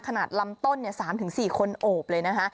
ขนาดลำต้น๓๔คนโอบเลยนะฮะ